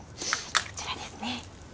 こちらですね。